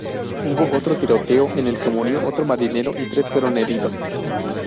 Hubo otro tiroteo, en el que murió otro marinero y tres fueron heridos.